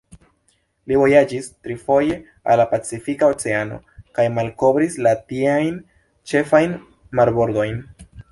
Li vojaĝis trifoje al la Pacifika Oceano kaj malkovris la tieajn ĉefajn marbordojn.